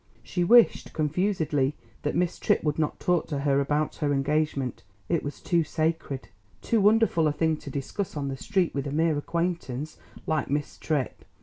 She wished confusedly that Miss Tripp would not talk to her about her engagement; it was too sacred, too wonderful a thing to discuss on the street with a mere acquaintance like Miss Tripp.